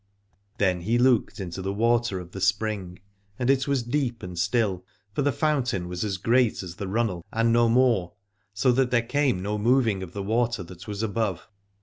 Then he looked into the water of the spring, and it was deep and still, for the fountain was as great as the runnel and no more, so that there came no moving of the water that was above.